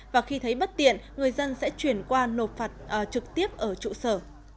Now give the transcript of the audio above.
và khi thấy bất tiện người dân sẽ chuyển qua nộp phạt trực tiếp ở trụ sở